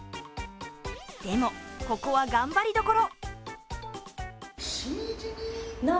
でも、ここは頑張りどころ。